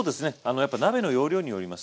やっぱ鍋の容量によります。